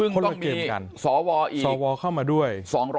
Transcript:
คนละเกมกันสอวอีกสอวเข้ามาด้วย